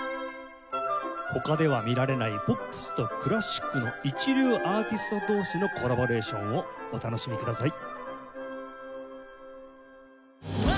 他では見られないポップスとクラシックの一流アーティスト同士のコラボレーションをお楽しみください。